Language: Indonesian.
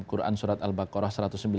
quran surat al baqarah satu ratus sembilan puluh